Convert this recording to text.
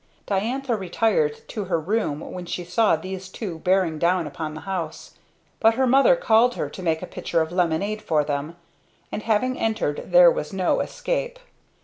Diantha retired to her room when she saw these two bearing down upon the house; but her mother called her to make a pitcher of lemonade for them and having entered there was no escape.